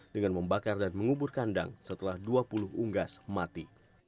dengan membakar dan mengubur kandang setelah dua puluh unggas mati